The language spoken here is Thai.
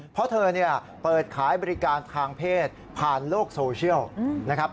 เพราะเธอเปิดขายบริการทางเพศผ่านโลกโซเชียลนะครับ